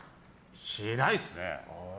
しないですね。